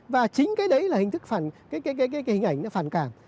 và chính cái đấy là hình ảnh phản cảm